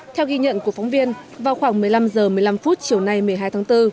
theo ghi nhận của phóng viên vào khoảng một mươi năm h một mươi năm chiều nay một mươi hai tháng bốn